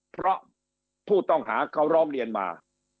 เพราะผู้ต้องหาเขาร้องเรียนมา